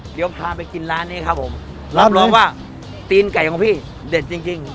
เดี๋ยวพาไปกินร้านนี้ครับผมรับรองว่าตีนไก่ของพี่เด็ดจริงจริง